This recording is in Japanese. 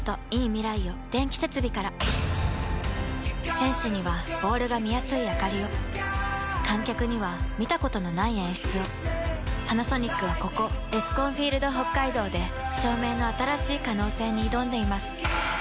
選手にはボールが見やすいあかりを観客には見たことのない演出をパナソニックはここエスコンフィールドＨＯＫＫＡＩＤＯで照明の新しい可能性に挑んでいます